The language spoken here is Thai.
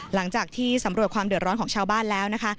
หลังจากที่สำรวจความเดือดร้อนของชาวบ้านแล้วนะคะ